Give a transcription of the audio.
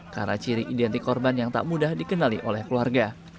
karena ciri identik korban yang tak mudah dikenali oleh keluarga